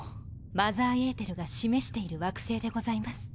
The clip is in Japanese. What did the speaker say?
マザーエーテルが示している惑星でございます。